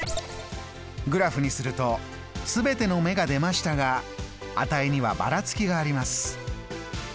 グラフにすると全ての目が出ましたが値にはばらつきがあります。